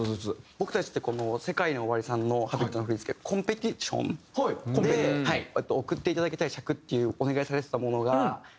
僕たちってＳＥＫＡＩＮＯＯＷＡＲＩさんの『Ｈａｂｉｔ』の振付コンペティションで送っていただきたい尺っていうお願いされてたものが。